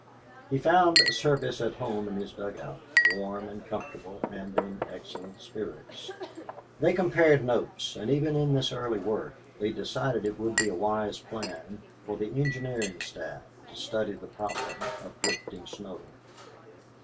He found Service at home in his dugout, warm and comfortable and in excellent spirits. They compared notes, and even in this early work they decided it would be a wise plan for the engineering staff to study the problem of drifting snow.